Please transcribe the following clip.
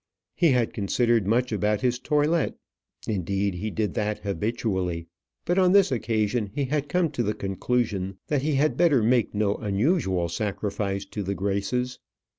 He had considered much about his toilet; indeed, he did that habitually; but on this occasion he had come to the conclusion that he had better make no unusual sacrifice to the Graces.